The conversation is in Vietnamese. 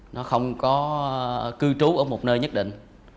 nó không có cư trú ở một nơi nhất định